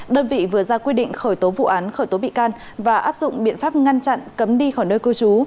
đơn vị vừa ra quyết định khởi tố vụ án khởi tố bị can và áp dụng biện pháp ngăn chặn cấm đi khỏi nơi cư trú